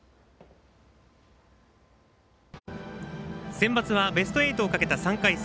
センバツはベスト８をかけた３回戦。